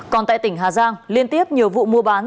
còn tại tỉnh hà giang liên tiếp nhiều vụ mua bán